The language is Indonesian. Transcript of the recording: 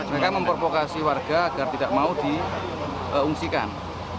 mereka memprovokasi warga agar tidak mau diungsikan